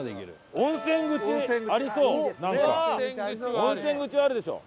温泉口はあるでしょう。